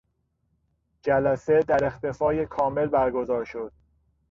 جلسه در اختفای کامل برگزار شد.